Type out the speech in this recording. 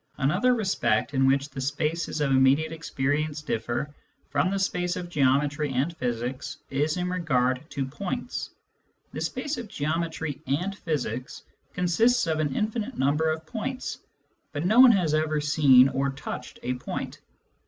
Another respect in which the spaces of immediate experience differ from the space of geometry and physics is in regard to points. The space of geometry and physics consists of an infinite number of points, but no one has ever seen or touched a point.